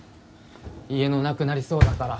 家のなくなりそうだから。